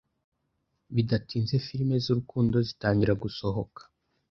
Bidatinze filimi z’urukundo zitangira gusohoka